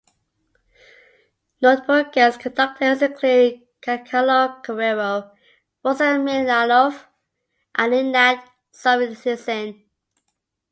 Notable guest conductors include Giancarlo Guerrero, Rossen Milanov, and Ignat Solzhenitsyn.